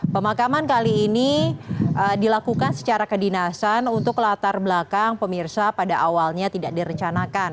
pemakaman kali ini dilakukan secara kedinasan untuk latar belakang pemirsa pada awalnya tidak direncanakan